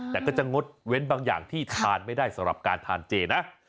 แต่ก็จะงดเว้นบางอย่างที่ทานไม่ได้สำหรับการทานเจนะ